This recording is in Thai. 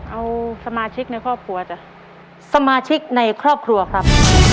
เอาสมาชิกในครอบครัวจ้ะสมาชิกในครอบครัวครับ